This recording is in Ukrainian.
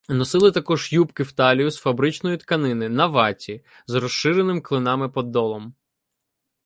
Носили також юпки в талію з фабричної тканини, на ваті, з розширеним клинами подолом.